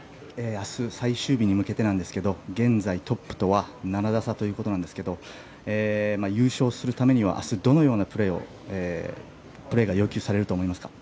最終日に向けてなんですが現在トップとは７打差ということですが優勝するためには明日、どのようなプレーが要求されると思いますか？